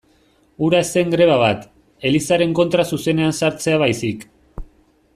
Hura ez zen greba bat, Elizaren kontra zuzenean sartzea baizik.